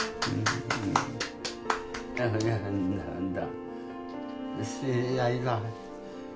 なんだ。